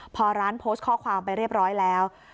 พอร้านโพสต์ข้อความไปเรียบร้อยแล้ว